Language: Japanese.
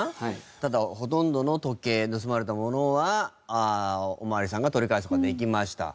ただほとんどの時計盗まれたものはお巡りさんが取り返す事ができました。